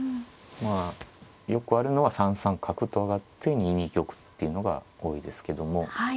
まあよくあるのは３三角と上がって２二玉っていうのが多いですけども。